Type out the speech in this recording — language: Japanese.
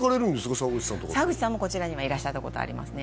沢口さんとかと沢口さんもこちらにはいらっしゃったことありますね